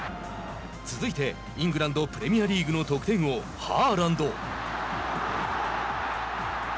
続いてイングランド・プレミアリーグの得点王ハーランド。